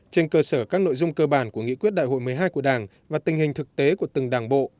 trên cơ sở các nội dung cơ bản của nghị quyết đại hội một mươi hai của đảng và tình hình thực tế của từng đảng bộ